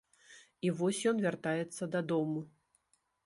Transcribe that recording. І вось ён вяртаецца дадому.